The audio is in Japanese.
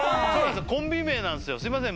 コンビ名なんですよ。すいません。